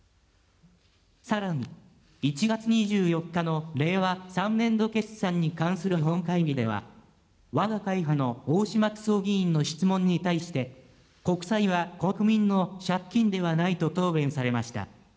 さらに、１月２４日の令和３年度決算に関する本会議では、わが会派の大島九州男議員の質問に対して、国債は国民の借金ではないと答弁されました。